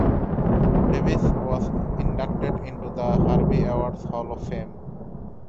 Davis was inducted into The Harvey Awards Hall Of Fame